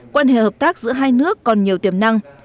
quan hệ hợp tác giữa hai nước còn nhiều tiềm năng